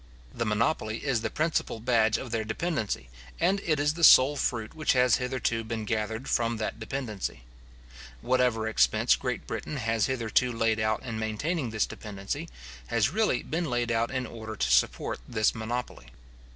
The monopoly is the principal badge of their dependency, and it is the sole fruit which has hitherto been gathered from that dependency. Whatever expense Great Britain has hitherto laid out in maintaining this dependency, has really been laid out in order to support this monopoly.